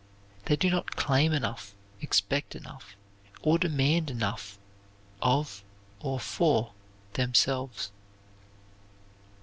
They do not claim enough, expect enough, or demand enough of or for themselves.